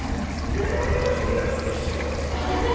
我々の世代とは少し違うんですね。